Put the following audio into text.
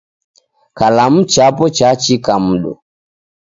Kalamu chapo cha chika mdo.